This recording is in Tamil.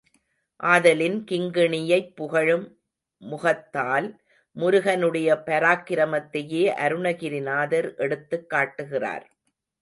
ஆதலின் கிங்கிணியைப் புகழும் முகத்தால் முருகனுடைய பராக்கிரமத்தையே அருணகிரிநாதர் எடுத்துக் காட்டுகிறார்.